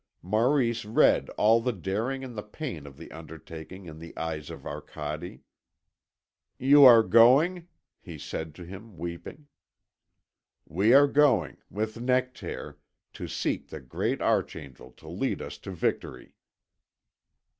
Maurice read all the daring and the pain of the undertaking in the eyes of Arcade. "You are going?" he said to him, weeping. "We are going, with Nectaire, to seek the great archangel to lead us to victory."